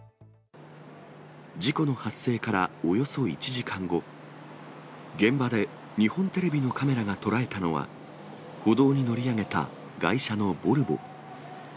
事故の発生からおよそ１時間後、現場で日本テレビのカメラが捉えたのは、歩道に乗り上げた外車のボルボ。